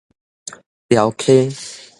潦溪